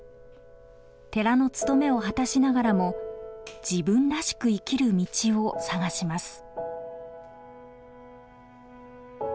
寺の務めを果たしながらも自分らしく生きる道を探します。